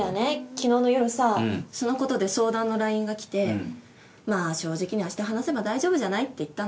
昨日の夜さぁそのことで相談のＬＩＮＥが来て「まぁ正直に明日話せば大丈夫じゃない？」って言ったの。